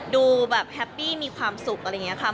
ดูแบบแฮปปี้มีความสุขอะไรอย่างนี้ค่ะ